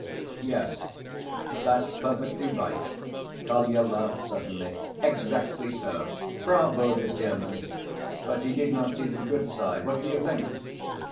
"Yes, that's perfectly right," Kolya laughed suddenly, "exactly so! Bravo the German! But he did not see the good side, what do you think?